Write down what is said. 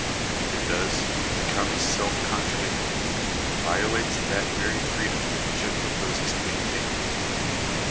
If it does it becomes self contradicting — vio | lates that very freedom which it proposes to maintain.